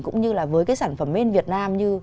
cũng như là với cái sản phẩm men việt nam như